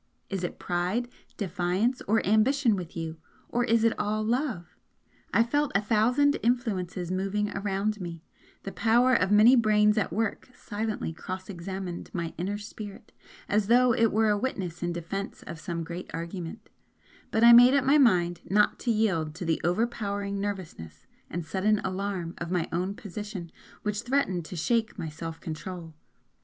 Is it pride, defiance, or ambition with you? or is it all love?" I felt a thousand influences moving around me the power of many brains at work silently cross examined my inner spirit as though it were a witness in defence of some great argument but I made up my mind not to yield to the overpowering nervousness and sudden alarm of my own position which threatened to shake my self control.